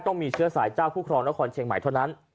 ต้องมีเชื้อสายเจ้าผู้ครองนครเชียงใหม่เท่านั้น